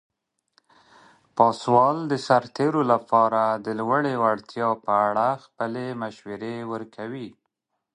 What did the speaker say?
پاسوال د سرتیرو لپاره د لوړې وړتیا په اړه خپل مشورې ورکوي.